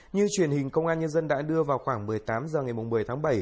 như truyền hình công an nhân dân đã đưa vào khoảng một mươi tám h ngày một mươi tháng bảy